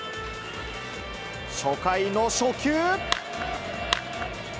初回の初球。